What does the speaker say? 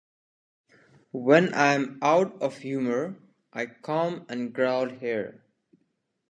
When I am out of humour, I come and growl here.